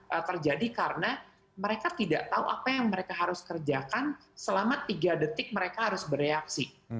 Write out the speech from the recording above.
itu terjadi karena mereka tidak tahu apa yang mereka harus kerjakan selama tiga detik mereka harus bereaksi